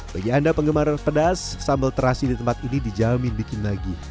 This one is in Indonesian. bagi anda penggemar pedas sambal terasi di tempat ini dijamin bikin lagi